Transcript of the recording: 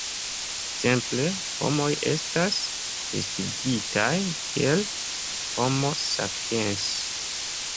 Ekzemple, homoj estas listigitaj kiel "Homo sapiens".